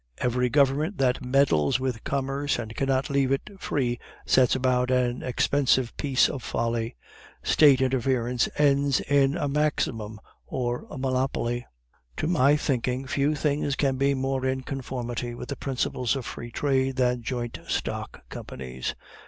"Every government that meddles with commerce and cannot leave it free, sets about an expensive piece of folly; State interference ends in a maximum or a monopoly. To my thinking, few things can be more in conformity with the principles of free trade than joint stock companies.